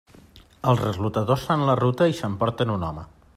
Els reclutadors fan la ruta i s'emporten un home.